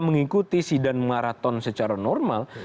mengikuti sidang maraton secara normal